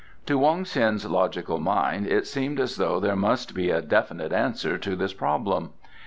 To Wong Ts'in's logical mind it seemed as though there must be a definite answer to this problem.